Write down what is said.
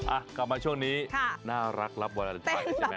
อ่ะกลับมาช่วงนี้ค่ะน่ารักรับแม่แน่ลักล่ะ